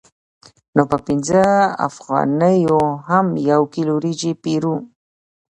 نو په پنځه افغانیو هم یو کیلو وریجې پېرو